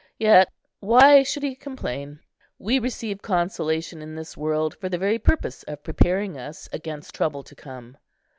Yet why should he complain? we receive consolation in this world for the very purpose of preparing us against trouble to come.